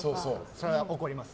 それは怒ります。